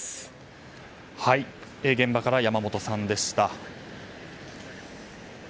現場から山本さんでした。